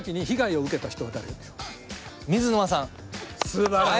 すばらしい！